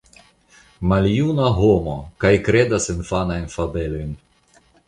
Maljuna homo kaj kredas infanajn fabelojn!